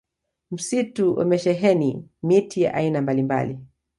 msitu umesheheni miti ya aina mbalimbali